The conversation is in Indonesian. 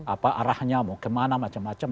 apa arahnya mau kemana macam macam